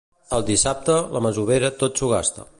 El dissabte la masovera tot s'ho gasta.